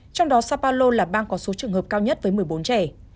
trong đó sao paulo là bang có số trường hợp cao nhất với một mươi bốn trẻ